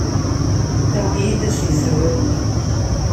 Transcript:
Awi-yi-d asegzawal-nni.